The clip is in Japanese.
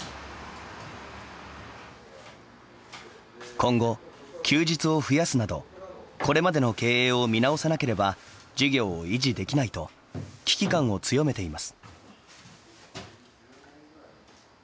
今後休日を増やすなどこれまでの経営を見直さなければ事業を維持できないと危機感を強めています。